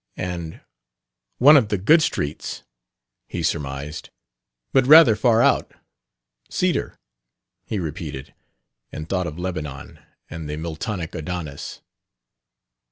And, "One of the good streets," he surmised, "but rather far out. Cedar!" he repeated, and thought of Lebanon and the Miltonic Adonis.